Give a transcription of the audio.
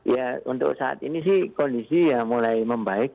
ya untuk saat ini sih kondisi ya mulai membaik